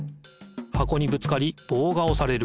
箱にぶつかりぼうがおされる。